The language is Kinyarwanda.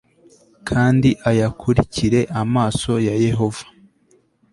kandi ayakurikire amaso ya yehova